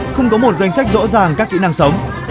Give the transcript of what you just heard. không có một danh sách rõ ràng các kỹ năng sống